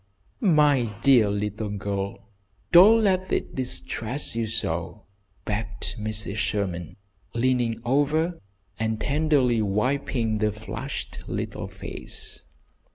"My dear little girl, don't let it distress you so!" begged Mrs. Sherman, leaning over and tenderly wiping the flushed little face.